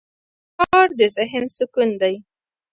سهار د ذهن سکون دی.